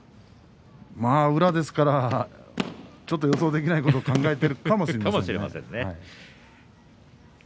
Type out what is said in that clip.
宇良ですから予想できないことを考えているかもしれませんね。